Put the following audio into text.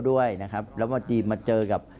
ด้วยนะครับแล้วพอดีมาเจอกับ